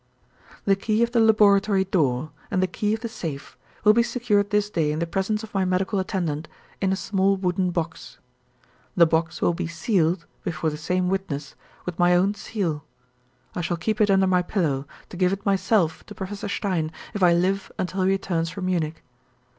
"'The key of the laboratory door, and the key of the safe, will be secured this day in the presence of my medical attendant, in a small wooden box. The box will be sealed (before the same witness) with my own seal. I shall keep it under my pillow, to give it myself to Professor Stein, if I live until he returns from Munich.